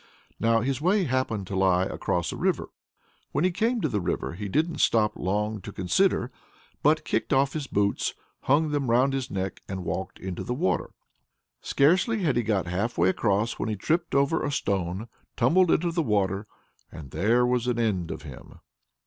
Now his way happened to lie across a river. When he came to the river, he didn't stop long to consider, but kicked off his boots, hung them round his neck, and walked into the water. Scarcely had he got half way across when he tripped over a stone, tumbled into the water and there was an end of him.